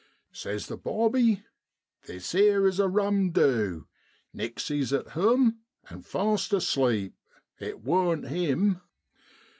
Says the bobby, 'This 'ere is a ram du Nixey's at home an' fast asleep it worn't him